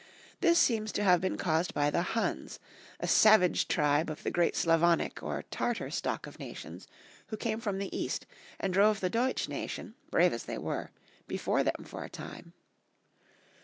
This seems to have been caused by the Huns, a savage tribe of the great Slavonic or Tartar stock of nations, who came from the East, and drove the Deutsch nation, brave as they were, before them for a time.